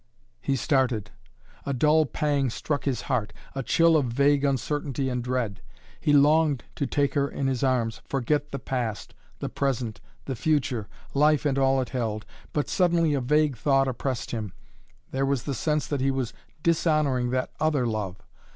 He started. A dull pang struck his heart, a chill of vague uncertainty and dread. He longed to take her in his arms, forget the past, the present, the future, life and all it held. But suddenly a vague thought oppressed him. There was the sense that he was dishonoring that other love.